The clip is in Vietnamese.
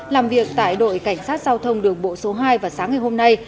làm việc tại đội cảnh sát giao thông đường bộ số hai vào sáng ngày hôm nay